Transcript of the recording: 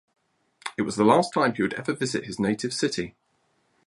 It was the last time he would ever visit his native city.